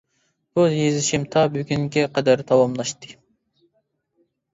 بۇ يېزىشىم تا بۈگۈنگە قەدەر داۋاملاشتى.